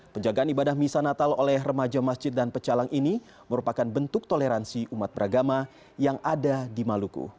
penjagaan ibadah misa natal oleh remaja masjid dan pecalang ini merupakan bentuk toleransi umat beragama yang ada di maluku